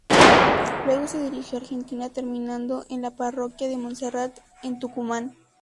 Luego se dirigió a Argentina terminando en la parroquia de Montserrat en Tucumán.